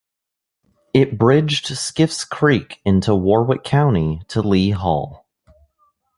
It bridged Skiffe's Creek into Warwick County to Lee Hall.